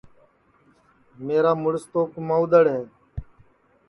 میرا مُرس تو کُماودؔڑ ہے